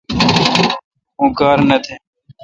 اوں کار نہ تھ۔